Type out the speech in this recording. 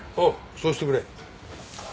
そうしてくれ。